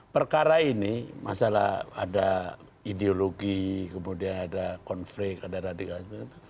perkara ini masalah ada ideologi kemudian ada konflik ada radikalisme